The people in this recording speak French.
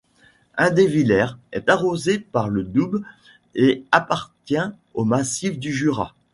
Indevillers est arrosée par le Doubs et appartient au Massif du Jura.